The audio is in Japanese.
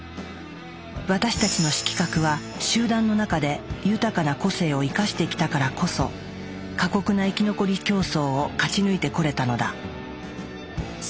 私たちの色覚は集団の中で豊かな個性を生かしてきたからこそ過酷な生き残り競争を勝ち抜いてこれたのだ。